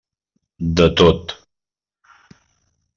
De tot.